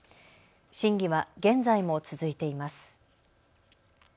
審議は現在も続いています。